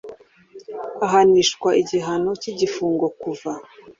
Ahanishwa igihano cy igifungo kuva